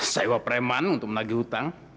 sewa preman untuk menagih hutang